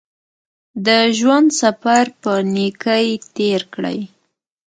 د ژوند سفر په نېکۍ تېر کړئ.